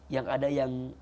yang ada yang